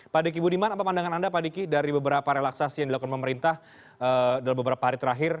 pak diki budiman apa pandangan anda pak diki dari beberapa relaksasi yang dilakukan pemerintah dalam beberapa hari terakhir